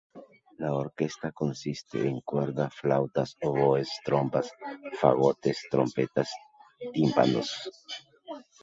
La orquesta consiste en cuerda, flautas, oboes, trompas, fagotes, trompetas y tímpanos.